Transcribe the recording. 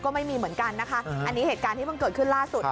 ก็ไม่มีเหมือนกันนะคะอันนี้เหตุการณ์ที่เพิ่งเกิดขึ้นล่าสุด